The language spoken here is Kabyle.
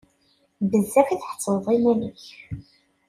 Bezzaf i tḥettbeḍ iman-ik!